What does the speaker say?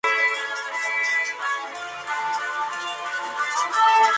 Prat de Punta Arenas respectivamente.